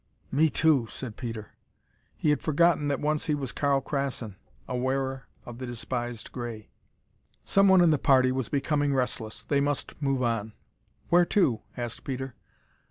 "Me, too," said Peter. He had forgotten that once he was Karl Krassin, a wearer of the despised gray. Someone in the party was becoming restless. They must move on. "Where to?" asked Peter.